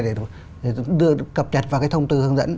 để đưa cập nhật vào thông tư hướng dẫn